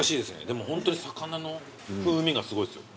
でもホントに魚の風味がすごいですよ。